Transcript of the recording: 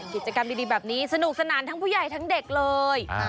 กิจกรรมดีแบบนี้สนุกสนานทั้งผู้ใหญ่ทั้งเด็กเลย